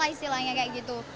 istilahnya kayak gitu